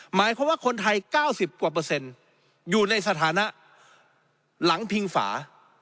หมายความว่าคนไทย๙๐กว่าเปอร์เซ็นต์อยู่ในสถานะหลังพิงฝา